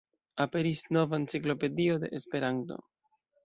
Aperis nova enciklopedio de Esperanto!